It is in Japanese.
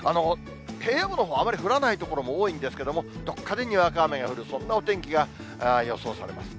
平野部のほう、あまり降らない所も多いんですけれども、どこかでにわか雨が降る、そんなお天気が予想されます。